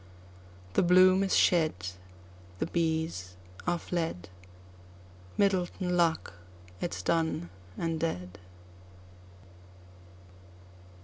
The bloom is shed—The bees are fled—Myddelton luck it 's done and dead.